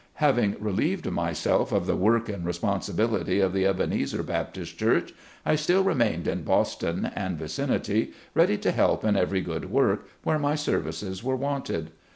Having relieved myself of the work and respon sibility of the Ebenezer Baptist Church, I still remained in Boston and vicinity, ready to help in every good work, where my services were wanted.